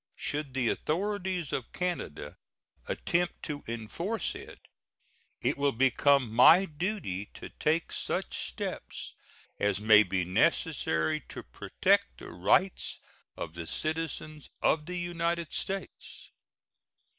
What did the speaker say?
Should the authorities of Canada attempt to enforce it, it will become my duty to take such steps as may be necessary to protect the rights of the citizens of the United States.